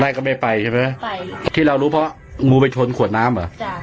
ก็ไม่ไปใช่ไหมไปที่เรารู้เพราะงูไปชนขวดน้ำเหรอจ้ะ